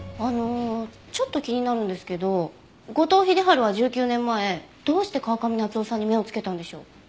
あのちょっと気になるんですけど後藤秀春は１９年前どうして川上夏夫さんに目を付けたんでしょう？